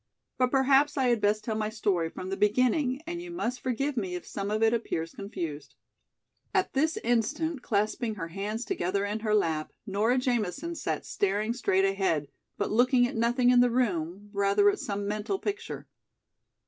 But perhaps I had best tell my story from the beginning and you must forgive me if some of it appears confused." At this instant, clasping her hands together in her lap, Nora Jamison sat staring straight ahead, but looking at nothing in the room, rather at some mental picture.